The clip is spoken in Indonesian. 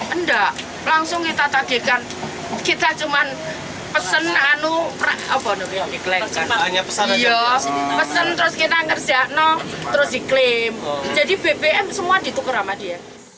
enggak langsung kita tadikan kita cuma pesen terus kita ngerjak terus diklaim jadi bbm semua ditukar sama dia